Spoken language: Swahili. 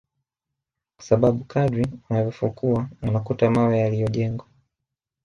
kwa sababu kadiri unavyofukua unakuta mawe yaliyojengwa